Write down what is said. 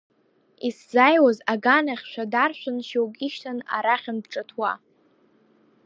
Исзааиуаз аганахьшәа даршәын, шьоук ишьҭан арахьынтә ҿыҭуа.